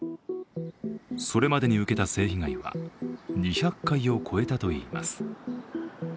それまでに受けた性被害は２００回を超えたといいます。